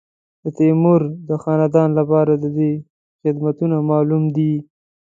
د تیمور د خاندان لپاره د دوی خدمتونه معلوم دي.